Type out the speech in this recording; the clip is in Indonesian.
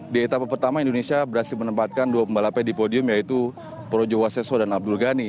di etapa pertama indonesia berhasil menempatkan dua pembalapnya di podium yaitu projo waseso dan abdul ghani